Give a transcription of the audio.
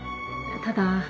ただ。